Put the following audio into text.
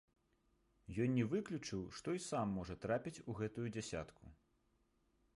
Ён не выключыў, што і сам можа трапіць у гэтую дзясятку.